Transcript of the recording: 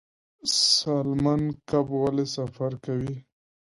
سالمن کب ولې سفر کوي؟